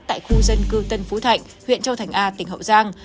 tại khu dân cư tân phú thạnh huyện châu thành a tỉnh hậu giang